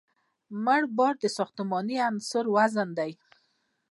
مړ بار د ساختماني عنصر وزن دی